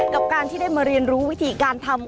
กับการที่ได้มาเรียนรู้วิธีการทำ